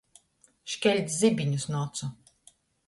Škelt zibiņus nu ocu.